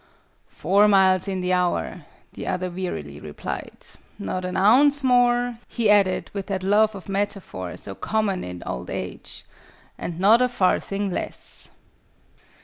"Four miles in the hour," the other wearily replied. "Not an ounce more," he added, with that love of metaphor so common in old age, "and not a farthing less!"